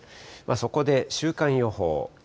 そこで週間予報。